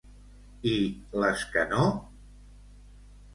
I les que no?